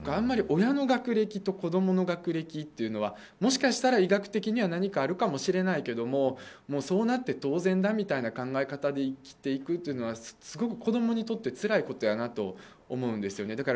親の学歴と子どもの学歴というのはもしかしたら医学的には何かあるかもしれないけれどもそうなって当然という考え方で生きていくのは子どもにとって、つらいことだなと思うんですよね。